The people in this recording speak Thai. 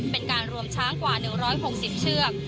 เป็นการรวมช้างกว่า๑๖๐เชือก